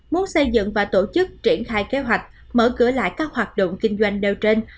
muốn xây dựng và tổ chức triển khai kế hoạch mở cửa lại các hoạt động kinh doanh đều trên